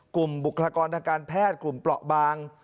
กลุ่มบุคลากรทางการแพทย์กลุ่มปลอบาง